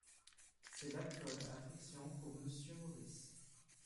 C’est l’alcool à frictions pour Monsieur Maurice.